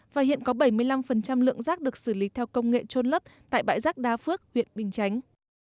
và hiện có bảy mươi năm lượng rác được xử lý theo công nghệ trôn lấp tại bãi rác đa phước huyện bình chánh